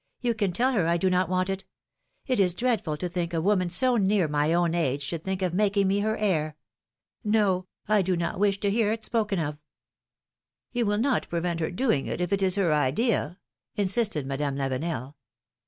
You can tell her I do not want it ! It is dreadful to think a woman so near my own age should think of making me her heir. No, I do not wish to hear it spoken of! " ^^You will not prevent her doing it, if it is her idea!" insisted Madame Lavenel.